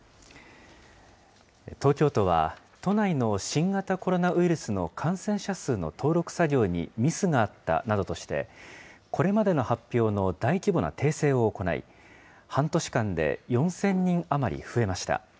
東京都は都内の新型コロナウイルスの感染者数の登録作業にミスがあったなどとして、これまでの発表の大規模な訂正を行い、半年間で４０００人余り増えました。